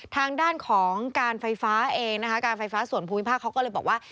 ทางด้านของการไฟฟ้าเองนะคะการไฟฟ้าส่วนภูมิภาคเขาก็เลยบอกว่า